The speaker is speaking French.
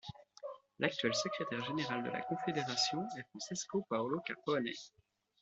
L’actuel secrétaire général de la confédération est Francesco Paolo Capone.